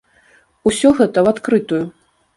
Усё гэта ў адкрытую.